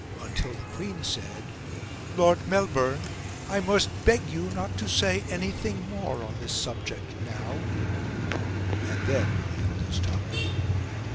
until the Queen said "Lord Melbourne, I must beg you not to say anything more on this subject now;" and then he held his tongue.